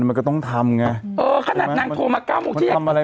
มันก็ต้องทำไงเออขนาดนางโทรมาเก้าโมงที่อยากทำอะไร